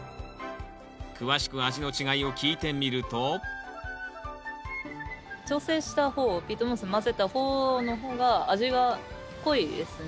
詳しく味の違いを聞いてみると調整した方ピートモス混ぜた方の方が味が濃いですね。